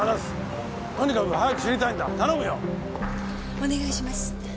お願いします。